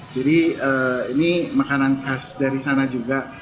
jadi ini makanan khas dari sana juga